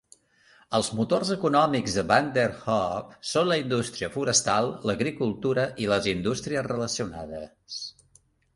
Els motors econòmics de Vanderhoof són la indústria forestal, l'agricultura i les indústries relacionades.